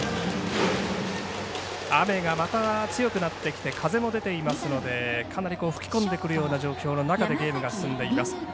雨が、また強くなってきて風も出ていますのでかなり吹き込んでくるような状況の中でゲームが進んでいます。